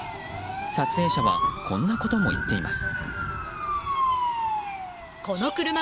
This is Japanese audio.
撮影者はこんなことも言っています。